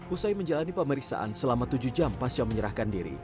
usai menjalani pemeriksaan selama tujuh jam pasca menyerahkan diri